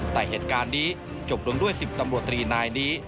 แต่เหตุการณ์นี้จบลงด้วย๑๐ตำรวจตรีนายนี้